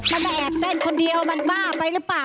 มาแอบเต้นคนเดียวมันบ้าไปหรือเปล่า